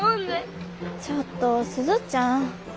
ちょっと鈴ちゃん。